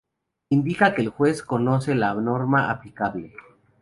Indica que el juez conoce la norma aplicable.